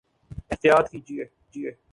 احطیاط کیجئے